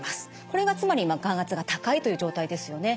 これがつまり眼圧が高いという状態ですよね。